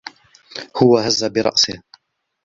هو هَزّ برأسِه.